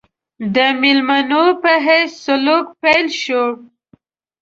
د مېلمنو په حیث سلوک پیل شو.